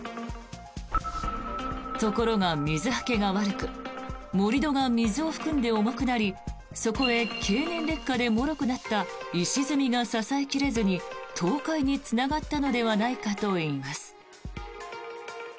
ところが水はけが悪く盛り土が水を含んで重くなりそこへ経年劣化でもろくなった石積みが支え切れずに倒壊につながったのではないかといいます。